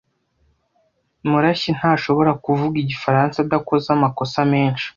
Murashyi ntashobora kuvuga igifaransa adakoze amakosa menshi.